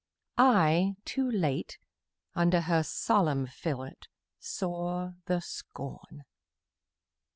I, too late, Under her solemn fillet saw the scorn.